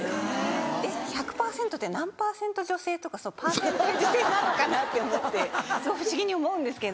えっ１００％って何％女性とかパーセンテージ制なのかなって思ってすごい不思議に思うんですけど。